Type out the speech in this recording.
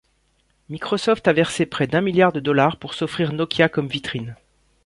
Microsoft a versé près d'un milliard de dollars pour s'offrir Nokia comme vitrine.